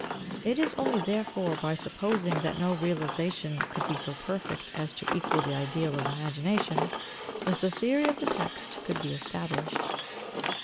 It is only, therefore, by supposing that no realisation could be so perfect as to equal the ideal of imagination, that the theory of the text could be established.